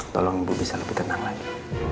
tolong ibu bisa lebih tenang lagi